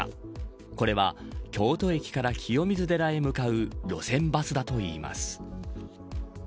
これは、京都駅から清水寺へ向かう路線バスだといいます。